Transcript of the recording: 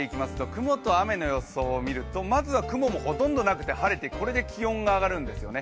雲と雨の予想を見ますとまずは雲もほとんどなくて晴れてこれで気温が上がるんですよね。